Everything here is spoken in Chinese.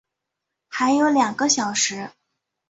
还有两个小时